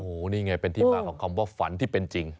โอ้โหนี่ไงเป็นที่มาของคำว่าฝันที่เป็นจริง